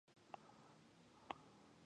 د کلیوالو طبعه یې کوله.